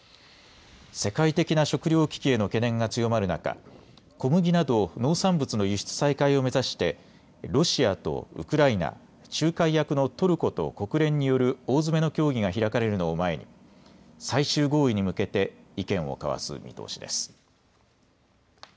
世界的な食料危機への懸念が強まる中、小麦など農産物の輸出再開を目指してロシアとウクライナ、仲介役のトルコと国連による大詰めの協議が開かれるのを前に最終合意に向けて意見を交わす見通しです。